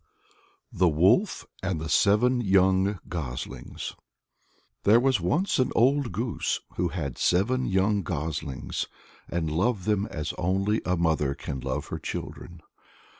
THE WOLF AND The Seven Young Goslings. There was once an old goose who had seven young goslings, and loved them as only a mother can love her children.